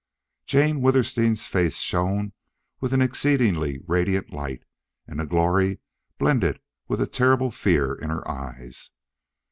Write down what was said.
Jane Withersteen's face shone with an exceedingly radiant light, and a glory blended with a terrible fear in her eyes.